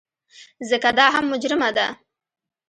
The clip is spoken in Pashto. ځکه دا هم مجرمه ده.